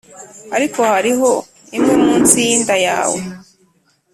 ariko hariho imwe munsi yinda yawe,